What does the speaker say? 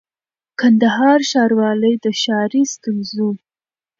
کندهار ښاروالۍ د ښاري ستونزو